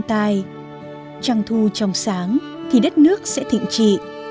trăng thu trong sáng thì đất nước sẽ thịnh trị